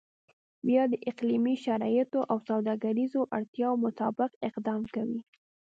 بیا د اقلیمي شرایطو او سوداګریزو اړتیاو مطابق اقدام کوي.